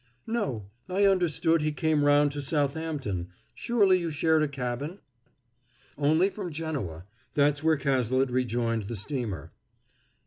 "No. I understood he came round to Southampton. Surely you shared a cabin?" "Only from Genoa; that's where Cazalet rejoined the steamer."